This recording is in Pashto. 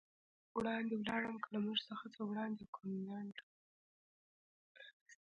وړاندې ولاړم، له موږ څخه ښه وړاندې کوم خنډ رامنځته شوی و.